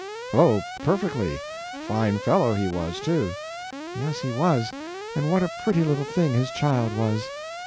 "Oh, perfectly. Fine fellow he was, too." "Yes he was. And what a pretty little thing his child was!"